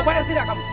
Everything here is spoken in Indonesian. mau bayar tidak kamu